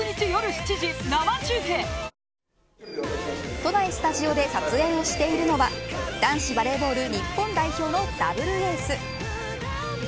都内スタジオで撮影をしているのは男子バレーボール日本代表のダブルエース。